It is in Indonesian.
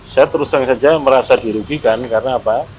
saya terus terang saja merasa dirugikan karena apa